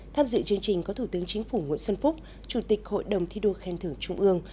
tham dự chương trình có thủ tướng chính phủ nguyễn xuân phúc chủ tịch hội đồng thi đua khen thưởng trung ương